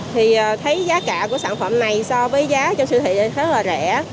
thì thấy giá cả của sản phẩm này so với giá trong siêu thị thì thấy rất là rẻ